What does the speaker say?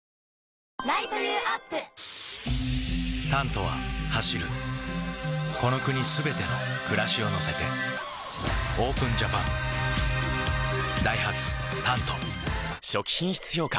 「タント」は走るこの国すべての暮らしを乗せてＯＰＥＮＪＡＰＡＮダイハツ「タント」初期品質評価